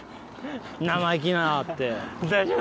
生意気な！って。